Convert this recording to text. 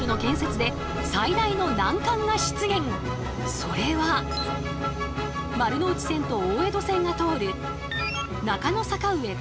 それは丸ノ内線と大江戸線が通る